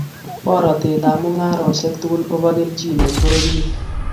Boratet ab mung'areshek tugul kobo keljin eng bororyet